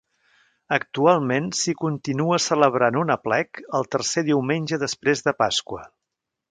Actualment s'hi continua celebrant un aplec el tercer diumenge després de Pasqua.